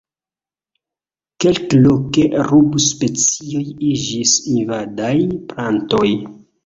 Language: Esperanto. Kelkloke rubus-specioj iĝis invadaj plantoj.